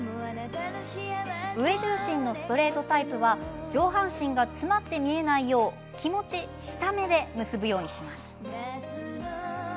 上重心のストレートタイプは上半身が詰まって見えないよう気持ち下めで結ぶようにします。